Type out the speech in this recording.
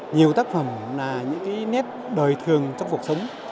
nhiều tác phẩm là những cái nét đời thường trong cuộc sống